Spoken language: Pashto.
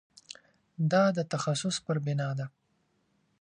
دا د تخصص پر بنا ده.